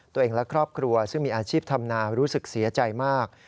ตัวเองและครอบครัวซึ่งมีอาชีพทำนารู้สึกเสียใจมาก